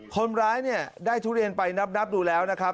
คนร้ายเนี่ยได้ทุเรียนไปนับดูแล้วนะครับ